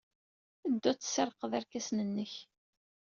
Ddu ad tessirrqeḍ irkasen-nnek!